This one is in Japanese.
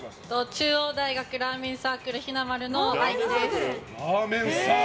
中央大学ラーメンサークルひなまるの愛梨です。